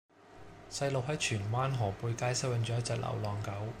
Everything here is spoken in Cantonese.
細佬喺荃灣河背街收養左一隻流浪狗